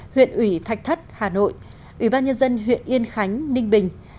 huyện ủy thạch thất hà nội huyện yên khánh ninh bình